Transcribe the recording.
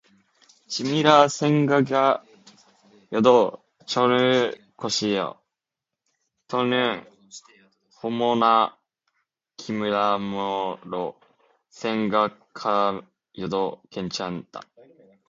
찜이라 생각하여도 좋을 것이요, 또는 호모나 기무라모로 생각하여도 괜찮다.